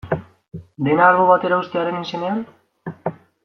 Dena albo batera uztearen izenean?